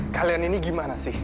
kalian ini gimana sih